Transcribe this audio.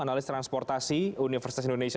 analis transportasi universitas indonesia